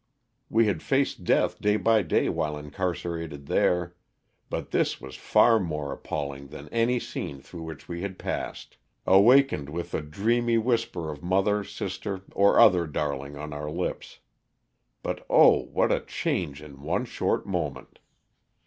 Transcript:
We had faced death day by day while incarcerated there, but this was far more appalling than any scene through which we had passed. Awakened with the dreamy whisper of mother, sister or other darling on our lips. But oh, what a change in one short moment